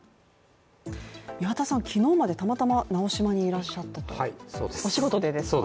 宮田さん、昨日までたまたま直島にいらっしゃったと、お仕事でですか？